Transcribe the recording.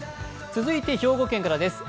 続いて兵庫県からです。